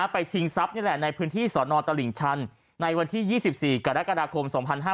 ไปชิงทรัพย์ในพื้นที่สอนอตริงชันในวันที่๒๔กรกฎาคม๒๕๕๘